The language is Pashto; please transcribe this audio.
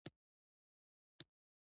څو دقیقې د سپکو وسلو ډزې روانې وې.